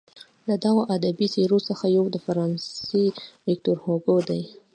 له دغو ادبي څیرو څخه یو د فرانسې ویکتور هوګو دی.